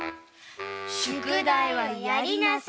しゅくだいはやりなさい！